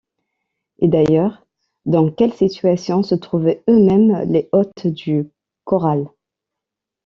Et d’ailleurs, dans quelle situation se trouvaient eux-mêmes les hôtes du corral